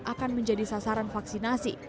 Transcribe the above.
akan menjadi sasaran vaksinasi